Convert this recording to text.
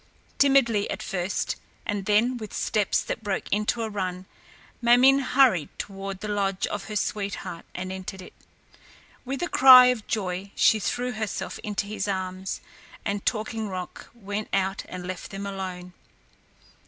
Timidly at first, and then with steps that broke into a run, Ma min´ hurried toward the lodge of her sweetheart and entered it. With a cry of joy she threw herself into his arms, and Talking Rock went out and left them alone.